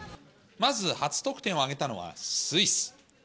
まず初得点を挙げたのはスイス。